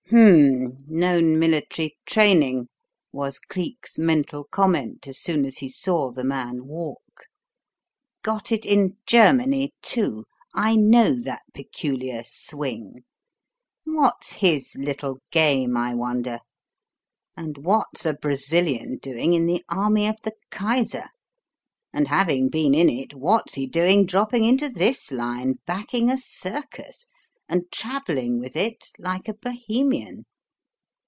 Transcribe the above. "Humph! Known military training," was Cleek's mental comment as soon as he saw the man walk. "Got it in Germany, too; I know that peculiar 'swing.' What's his little game, I wonder? And what's a Brazilian doing in the army of the Kaiser? And, having been in it, what's he doing dropping into this line backing a circus, and travelling with it like a Bohemian?"